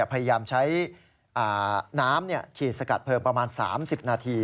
พยายามใช้น้ำฉีดสกัดเพลิงประมาณ๓๐นาที